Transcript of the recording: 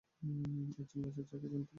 একজন মেজর যাকে চিনতাম।